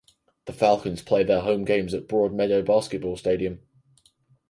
The Falcons play their home games at Broadmeadow Basketball Stadium.